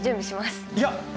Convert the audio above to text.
いや！